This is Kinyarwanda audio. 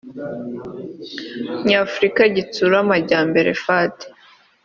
nyafurika gitsura amajyambere fad